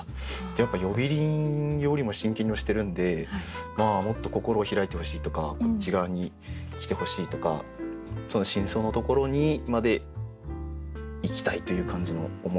やっぱり呼び鈴よりも真剣に押してるんでもっと心を開いてほしいとかこっち側に来てほしいとかその深層のところにまで行きたいという感じの思い。